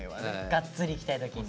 がっつりいきたい時に。